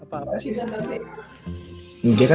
apa apaan sih di channelnya